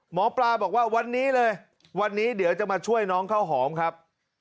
หมอปลาบอกว่าวันนี้เลยวันนี้เดี๋ยวจะมาช่วยน้องข้าวหอมครับ